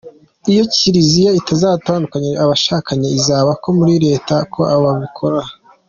Iyo Kiliziya itandukanyije abashakanye isaba ko muri Leta ko babikora.